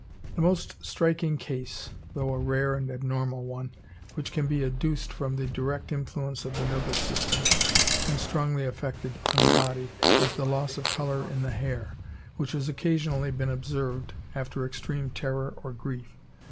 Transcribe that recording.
The most striking case, though a rare and abnormal one, which can be adduced of the direct influence of the nervous system, when strongly affected, on the body, is the loss of colour in the hair, which has occasionally been observed after extreme terror or grief.